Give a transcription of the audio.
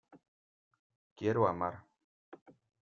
Quiero amar.